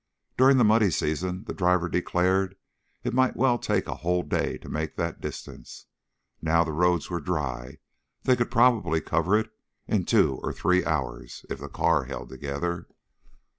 During the muddy season the driver declared, it might well take a whole day to make that distance; now that the roads were dry, they could probably cover it in two or three hours, if the car held together.